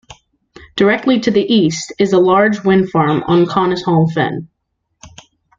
Directly to the east is a large wind farm on Conisholme Fen.